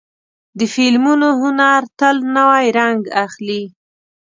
د فلمونو هنر تل نوی رنګ اخلي.